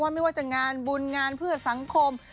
ไม่ว่าจะงานบุญงานเพื่อสังคม